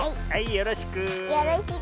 よろしく。